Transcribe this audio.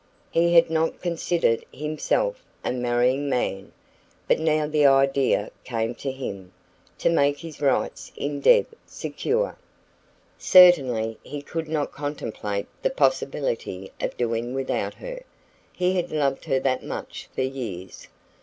He had not considered himself a marrying man. But now the new idea came to him to make his rights in Deb secure. Certainly he could not contemplate the possibility of doing without her. He had loved her that much for years.